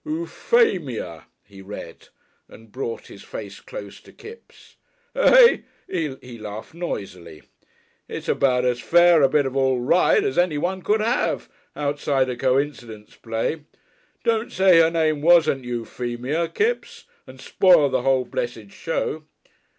"Euphemia," he read and brought his face close to Kipps'. "Eh?" He laughed noisily. "It's about as fair a Bit of All Right as anyone could have outside a coincidence play. Don't say her name wasn't Euphemia, Kipps, and spoil the whole blessed show."